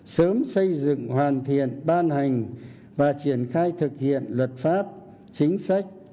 sớm xây dựng hoàn thiện ban hành và triển khai thực hiện luật pháp chính sách